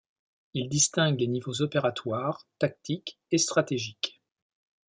Il distingue les niveaux opératoires, tactiques et stratégiques.